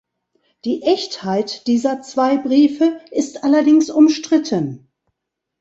Die Echtheit dieser zwei Briefe ist allerdings umstritten.